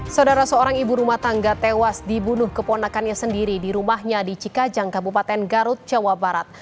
saudara seorang ibu rumah tangga tewas dibunuh keponakannya sendiri di rumahnya di cikajang kabupaten garut jawa barat